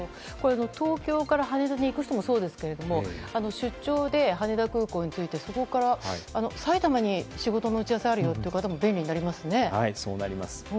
東京から羽田に行く人もそうですが出張で羽田空港に着いてそこから埼玉で仕事の打ち合わせがあるよという方もそうなります。